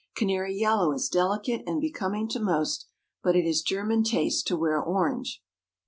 Canary yellow is delicate and becoming to most, but it is German taste to wear orange.